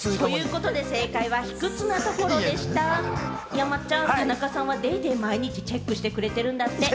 山ちゃん、田中さんは『ＤａｙＤａｙ．』、毎日チェックしてくれてるんだって。